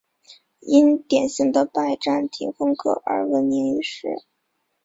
因典型的拜占庭风格而闻名于世。